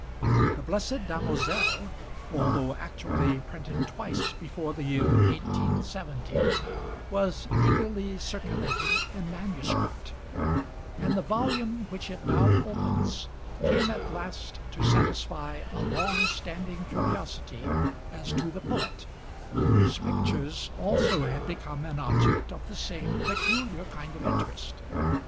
The Blessed Damozel, although actually printed twice before the year 1870, was eagerly circulated in manuscript; and the volume which it now opens came at last to satisfy a long standing curiosity as to the poet, whose pictures also had become an object of the same peculiar kind of interest.